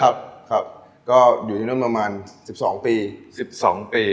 ครับครับก็อยู่ที่นั่นประมาณสิบสองปีสิบสองปี